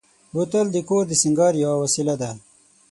بوتل د کور د سینګار یوه وسیله ده.